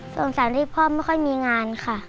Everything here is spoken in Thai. สงสารที่พ่อไม่ค่อยมีงานค่ะ